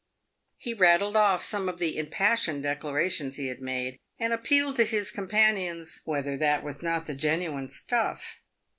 He rattled off some of the impassioned declarations he had made, and appealed to his companions " whether that was not the genuine stuff."